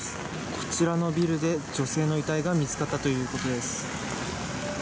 こちらのビルで、女性の遺体が見つかったということです。